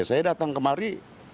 ya saya datang kemari